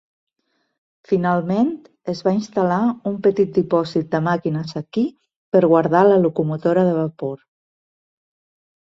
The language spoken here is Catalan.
Finalment es va instal·lar un petit dipòsit de màquines aquí per guardar la locomotora de vapor.